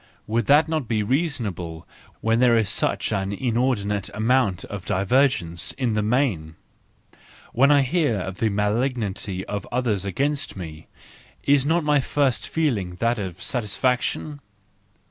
Would that not be reasonable when there is such an inordinate amount of divergence in the main ? When I hear of the malignity of others against me—is not my first feeling that of satisfaction?